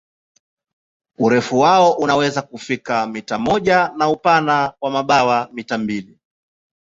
Urefu wao unaweza kufika mita moja na upana wa mabawa mita mbili.